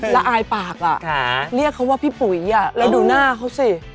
ละอายปากเรียกเขาว่าพี่ปุ๋ยแล้วดูหน้าเขาสิ